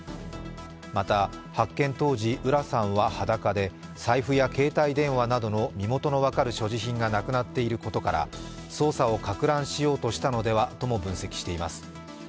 また、発見当時、浦さんは裸で財布や携帯電話などの身元の分かる所持品がなくなっていることから、捜査をかく乱しようとしたのではとも分析しています。